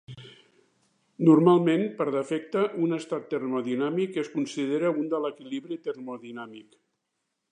Normalment, per defecte, un estat termodinàmic es considera un de l'equilibri termodinàmic.